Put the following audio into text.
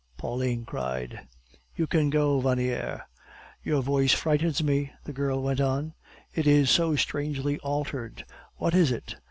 Pauline cried. "You can go, Vaniere." "Your voice frightens me," the girl went on; "it is so strangely altered. What is it?